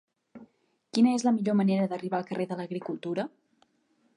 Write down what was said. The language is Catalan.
Quina és la millor manera d'arribar al carrer de l'Agricultura?